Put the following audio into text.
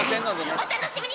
お楽しみに！